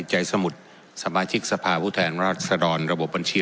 สมุทรสมาชิกสภาผู้แทนราชดรระบบบัญชี